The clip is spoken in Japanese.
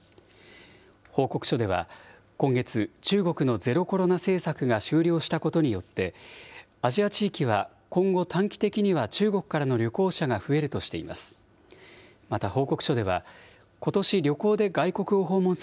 報告書では、今月、中国のゼロコロナ政策が終了したことによって、アジア地域は今後、短期的には中国からの旅行者が増えるとしています。